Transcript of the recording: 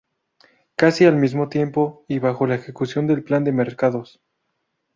Casi al mismo tiempo y bajo la ejecución del Plan de Mercados.